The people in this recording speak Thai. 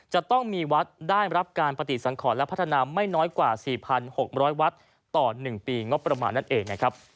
จะต้องมีวัดได้รับการปฏิสังขรและพัฒนาไม่น้อยกว่า๔๖๐๐วัดต่อ๑ปีงบประมาณนั่นเองนะครับ